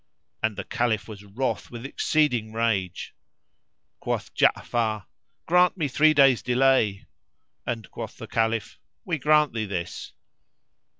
And the: Caliph was wroth with exceeding rage. Quoth Ja'afar, "Grant me three days' delay;" and quoth the Caliph, "We grant thee this."